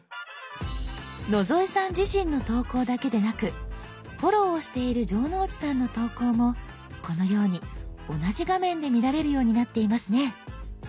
野添さん自身の投稿だけでなくフォローをしている城之内さんの投稿もこのように同じ画面で見られるようになっていますね。